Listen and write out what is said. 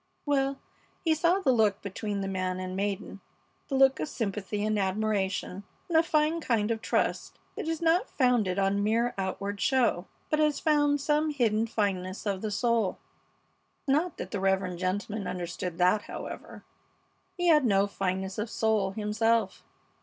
Well, he saw the look between the man and maiden; the look of sympathy and admiration and a fine kind of trust that is not founded on mere outward show, but has found some hidden fineness of the soul. Not that the reverend gentleman understood that, however. He had no fineness of soul himself.